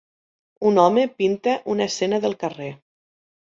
Un home pinta una escena del carrer.